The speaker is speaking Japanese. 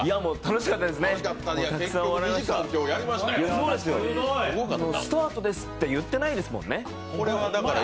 すごいですよ、スタートですって言ってないですもんね。